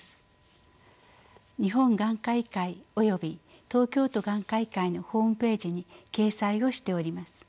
日本眼科医会および東京都眼科医会のホームページに掲載をしております。